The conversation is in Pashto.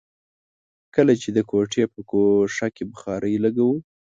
کله چې د کوټې په ګوښه کې بخارۍ لګوو.